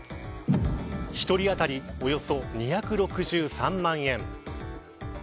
１人当たり、およそ２６３万円。